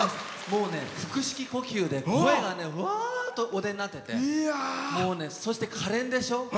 もうね、腹式呼吸で声が、うわーっとお出になっててそれで、かれんでしょ。